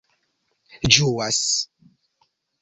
ĝuas